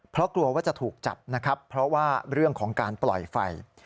เพราะกลัวว่าจะถูกจับนะครับเพราะว่าเรื่องของการปล่อยไฟ